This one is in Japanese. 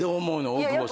大久保さん。